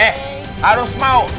eh harus mau